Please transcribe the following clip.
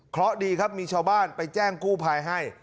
เพราะดีครับมีชาวบ้านไปแจ้งกู้ภัยให้